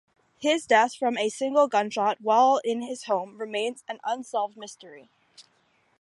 His death, from a single gunshot while in his home, remains an unsolved mystery.